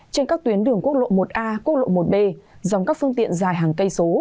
trên các tuyến đường quốc lộ một a quốc lộ một d dòng các phương tiện dài hàng cây số